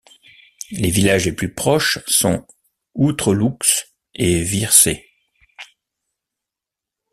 Les villages les plus proches sont Outrelouxhe et Vierset.